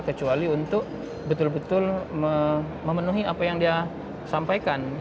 kecuali untuk betul betul memenuhi apa yang dia sampaikan